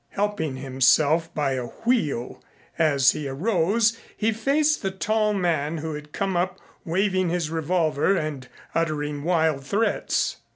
Helping himself by a wheel as he arose he faced the tall man who had come up waving his revolver and uttering wild threats.